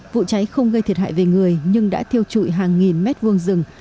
vụ cháy không gây thiệt hại về người nhưng đã thiêu trụi hàng nghìn mét vuông rừng